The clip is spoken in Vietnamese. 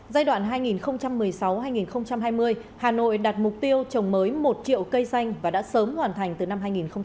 giai đoạn hai nghìn một mươi sáu hai nghìn hai mươi hà nội đặt mục tiêu trồng mới một triệu cây xanh và đã sớm hoàn thành từ năm hai nghìn một mươi năm